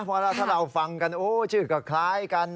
เพราะถ้าเราฟังกันโอ้ชื่อก็คล้ายกัน